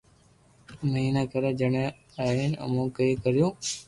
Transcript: مھيما ڪري جڻي جائين امو ڪوئي ڪريو